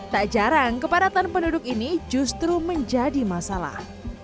tak jarang kepadatan penduduk ini justru menjadi masalah